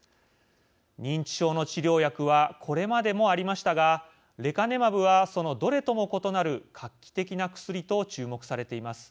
認知症の治療薬はこれまでもありましたがレカネマブはそのどれとも異なる画期的な薬と注目されています。